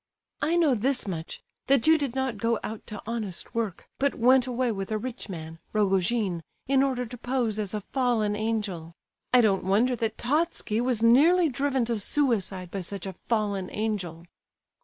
"I know this much, that you did not go out to honest work, but went away with a rich man, Rogojin, in order to pose as a fallen angel. I don't wonder that Totski was nearly driven to suicide by such a fallen angel."